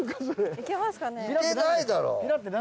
いけないだろ！